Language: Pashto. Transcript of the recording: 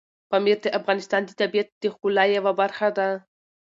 پامیر د افغانستان د طبیعت د ښکلا یوه برخه ده.